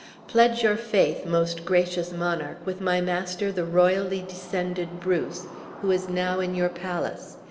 Pledge your faith, most gracious monarch, with my master the royally descended Bruce, who is now in your palace.